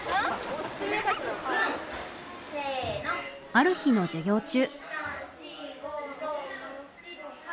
ある日の授業中。